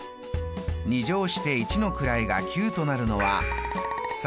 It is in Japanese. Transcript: ２乗して一の位が９となるのは３か７だけ。